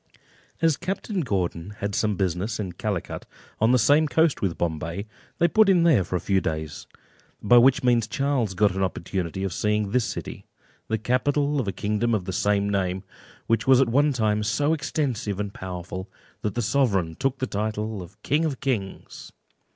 As Captain Gordon had some business at Calicut, on the same coast with Bombay, they put in there for a few days, by which means Charles got an opportunity of seeing this city, the capital of a kingdom of the same name, which was at one time so extensive and powerful, that the sovereign took the title of "King of Kings."